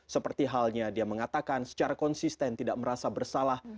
seperti halnya dia mengatakan secara konsisten tidak merasa bersalah